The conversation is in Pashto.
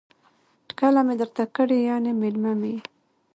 ټکله می درته کړې ،یعنی میلمه می يی